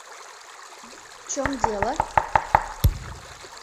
В чём дело?